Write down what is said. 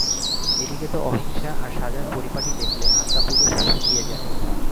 এদিকে তো অহিংসা আর সাজার পরিপাটি দেখলে আত্মাপুরুষ শুকিয়ে যায়।